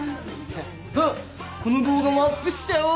あっこの動画もアップしちゃおう。